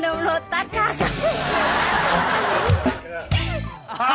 โอ้โหโอ้โห